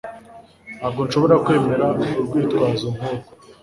Ntabwo nshobora kwemera urwitwazo nkurwo.